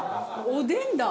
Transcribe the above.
おでんだ。